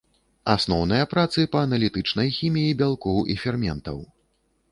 Асноўныя працы па аналітычнай хіміі бялкоў і ферментаў.